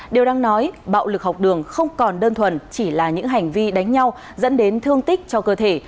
điều đang nói bạo lực học đường không còn đơn thuần chỉ là những hành vi đánh nhau dẫn đến thương tích cho cơ thể